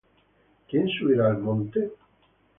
¿Quién subirá al monte de Jehová?